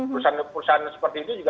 perusahaan perusahaan seperti itu